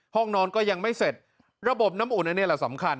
ห้องนอนก็ยังไม่เสร็จระบบน้ำอุ่นอันนี้แหละสำคัญ